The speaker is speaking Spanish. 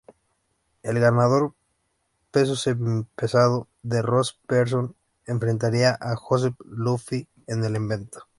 El ganador peso semipesado de Ross Pearson enfrentaría a Joseph Duffy en el evento.